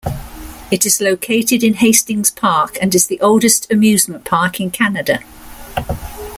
It is located in Hastings Park and is the oldest amusement park in Canada.